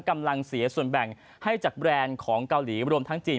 กำลังเสียส่วนแบ่งให้จากแบรนด์ของเกาหลีรวมทั้งจีน